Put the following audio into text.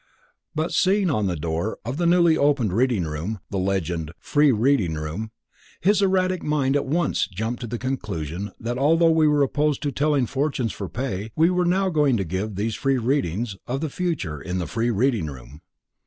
But seeing on the door of the newly opened reading room, the legend: "Free Reading Room," his erratic mind at once jumped to the conclusion that although we were opposed to telling fortunes for pay, we were now going to give free readings of the future in the Free Reading Room.